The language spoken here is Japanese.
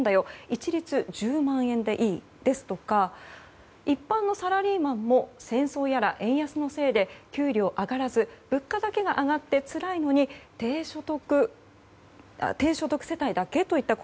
一律１０万円でいい、ですとか一般のサラリーマンも戦争やら円安のせいで給料上がらず物価だけが上がってつらいのに低所得世帯だけ？といった